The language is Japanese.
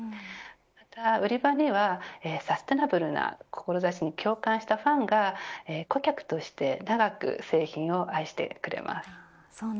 また売り場にはサステイナブルな志に共感したファンが顧客として長く製品を愛してくれます。